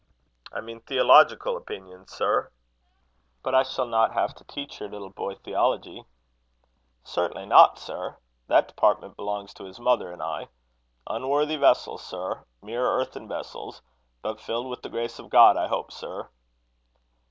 "I mean theological opinions, sir." "But I shall not have to teach your little boy theology." "Certainly not, sir. That department belongs to his mother and I. Unworthy vessels, sir; mere earthen vessels; but filled with the grace of God, I hope, sir."